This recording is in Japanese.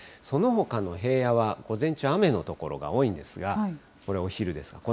そのほかの平野は、午前中、雨の所が多いんですが、これ、お昼です。